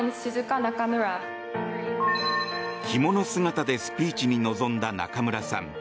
着物姿でスピーチに臨んだ中村さん。